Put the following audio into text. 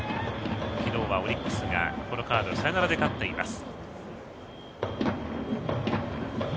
昨日はオリックスがこのカードサヨナラで勝っています。